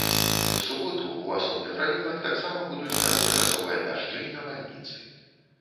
У суботу ў асобных раёнах таксама будуць кароткачасовыя дажджы і навальніцы.